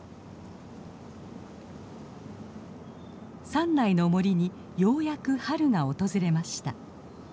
山内の森にようやく春が訪れました。